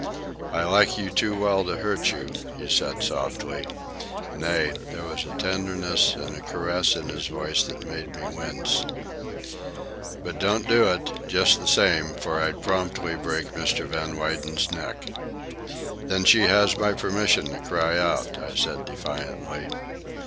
"I like you too well to hurt you," he said softly—nay, there was a tenderness and a caress in his voice that made me wince. "But don't do it, just the same, for I'd promptly break Mr. Van Weyden's neck." "Then she has my permission to cry out," I said defiantly.